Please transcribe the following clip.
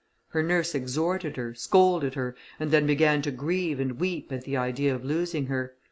Her nurse exhorted her, scolded her, and then began to grieve and weep at the idea of losing her.